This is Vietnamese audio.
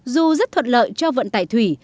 dù rất thuật lợi cho vận tải thủy